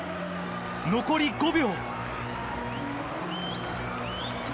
残り５秒。